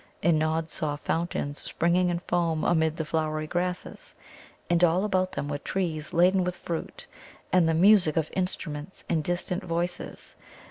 And Nod saw fountains springing in foam amid the flowery grasses, and all about them were trees laden with fruit, and the music of instruments and distant voices.